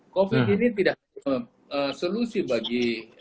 covid ini tidak solusi bagi